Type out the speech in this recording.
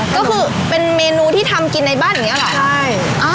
ก็คือเป็นเมนูที่ทำกินในบ้านอย่างนี้เหรอใช่